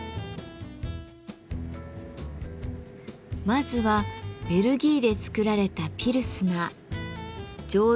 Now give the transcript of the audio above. まずはベルギーでつくられたピルスナー。